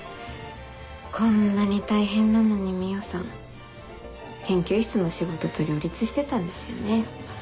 こんなに大変なのに海音さん研究室の仕事と両立してたんですよね。